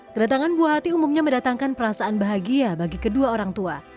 kedatangan buah hati umumnya mendatangkan perasaan bahagia bagi kedua orang tua